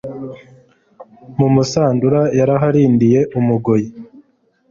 Mu Musandura yaraharindiye, umugoyi.